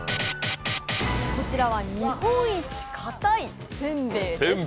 こちらは日本一かたい煎餅です。